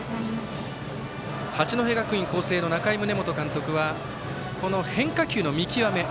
八戸学院光星の仲井宗基監督はこの変化球の見極め